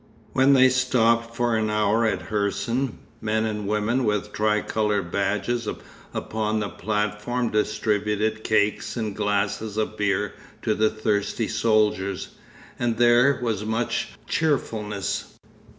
When they stopped for an hour at Hirson, men and women with tricolour badges upon the platform distributed cakes and glasses of beer to the thirsty soldiers, and there was much cheerfulness.